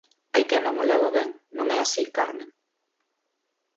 Hai quen non o leva ben, non é así, Carmen?